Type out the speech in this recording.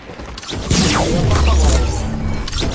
Iḥemmel aṭas aɣrum.